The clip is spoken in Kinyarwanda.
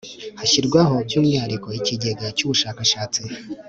hashyirwaho by'umwihariko ikigega cy'ubushakashatsi